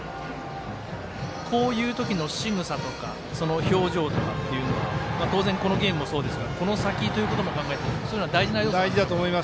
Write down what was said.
こういう時のしぐさとか表情とかっていうのは当然、このゲームもそうですがこの先ということも考えて大事な要素ですか。